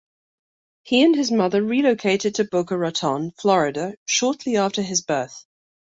He and his mother relocated to Boca Raton, Florida shortly after his birth.